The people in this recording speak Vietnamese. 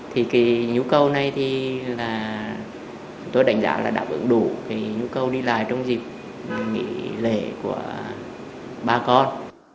thì cái nhu cầu này thì là tôi đánh giá là đáp ứng đủ cái nhu cầu đi lại trong dịp nghỉ lễ của bà con